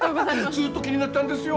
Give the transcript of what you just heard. ずっと気になってだんですよ。